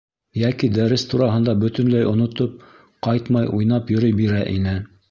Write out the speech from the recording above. Йәки дәрес тураһында бөтөнләй онотоп, ҡайтмай уйнап йөрөй бирә ине.